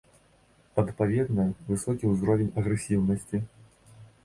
Адпаведна, высокі і ўзровень агрэсіўнасці.